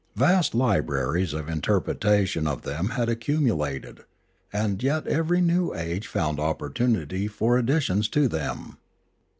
Vast libraries of interpret ation of them had accumulated, and yet every new age found opportunity for additions to them.